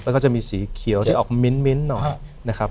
แล้วก็จะมีสีเขียวที่ออกมิ้นหน่อยนะครับ